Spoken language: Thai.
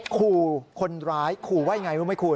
คู่คนร้ายคู่ไว้ไงรู้ไหมคุณ